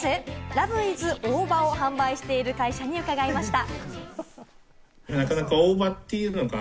「らぶいず大葉」を販売している会社に伺いました。